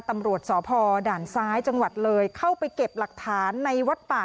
ตำรวจสพด่านซ้ายจังหวัดเลยเข้าไปเก็บหลักฐานในวัดป่า